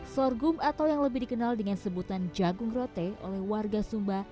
sorghum atau yang lebih dikenal dengan sebutan jagung rote oleh warga sumba